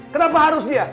kenapa harus dia